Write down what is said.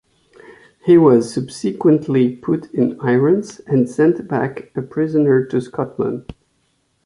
He was subsequently put in irons and sent back a prisoner to Scotland.